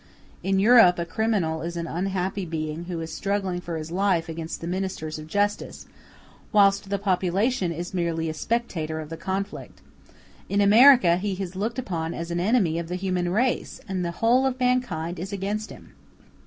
In Europe a criminal is an unhappy being who is struggling for his life against the ministers of justice, whilst the population is merely a spectator of the conflict; in America he is looked upon as an enemy of the human race, and the whole of mankind is against him.